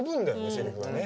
セリフがね。